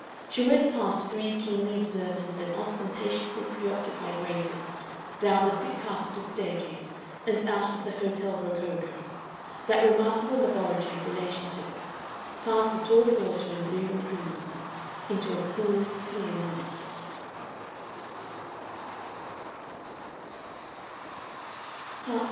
She went past three keenly observant and ostentatiously preoccupied waiters down the thick carpeted staircase and out of the Hotel Rococo, that remarkable laboratory of relationships, past a tall porter in blue and crimson, into a cool, clear night.